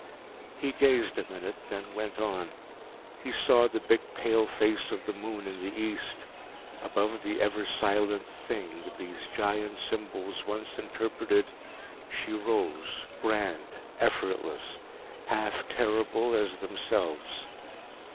He gazed a minute, then went on. He saw the big pale face of the moon in the east. Above the ever silent Thing these giant symbols once interpreted, she rose, grand, effortless, half terrible as themselves.